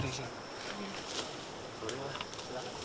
bisa sampai besok